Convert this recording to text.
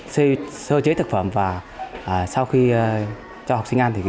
xây sơ chế thực phẩm và sau khi cho học sinh ăn